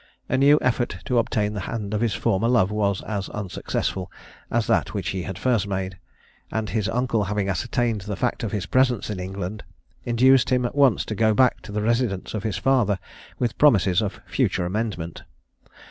A new effort to obtain the hand of his former love was as unsuccessful as that which he had first made; and his uncle having ascertained the fact of his presence in England, induced him at once to go back to the residence of his father, with promises of future amendment.